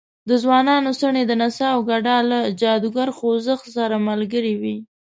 د ځوانانو څڼې د نڅا او ګډا له جادوګر خوځښت سره ملګرې وې.